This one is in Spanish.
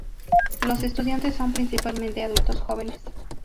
Los estudiantes son principalmente adultos jóvenes.